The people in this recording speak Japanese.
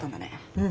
うん。